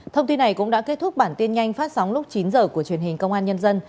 thông tin này cũng đã kết thúc bản tin nhanh phát sóng lúc chín h của truyền hình công an nhân dân